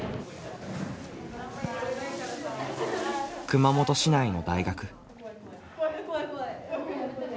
熊本市内の大学。